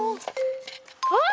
あっ！